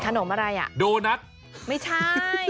ขนมอะไรอ่ะดูนะไม่ใช่